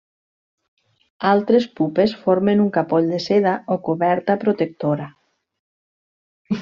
Altres pupes formen un capoll de seda o coberta protectora.